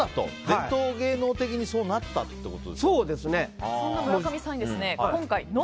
伝統芸能的にそうなったってことですか。